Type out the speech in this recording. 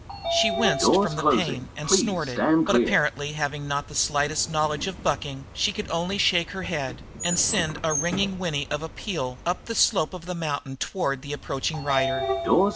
She winced from the pain and snorted, but, apparently having not the slightest knowledge of bucking, she could only shake her head and send a ringing whinny of appeal up the slope of the mountain, toward the approaching rider.